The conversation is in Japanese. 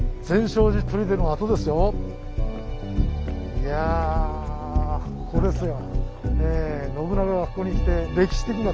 いやここですよ。